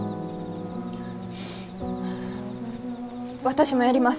私もやります。